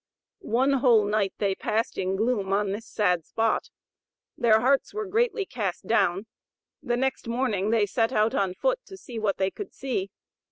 One whole night they passed in gloom on this sad spot. Their hearts were greatly cast down; the next morning they set out on foot to see what they could see.